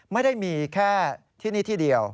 ไม่ได้มีแค่ที่นี่ที่เดียว